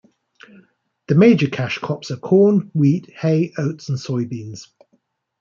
The major cash crops are corn, wheat, hay, oats, and soybeans.